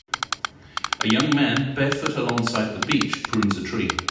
A young man, barefoot along side the beach, prunes a tree.